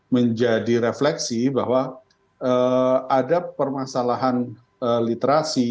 menjadi refleksi bahwa ada permasalahan literasi